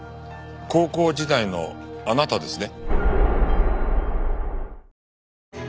高校時代のあなたですね？